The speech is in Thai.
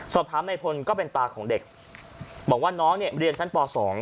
สอบถามในพลก็เป็นตาของเด็กบอกว่าน้องเนี่ยเรียนชั้นป๒